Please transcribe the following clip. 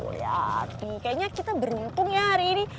lihat nih kayaknya kita beruntung ya hari ini